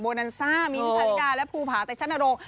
โบนันซ่ามิ้นท์ชันริดาและภูภาแต่ฉันโรค